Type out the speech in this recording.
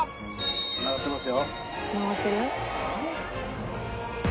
繋がってますよ。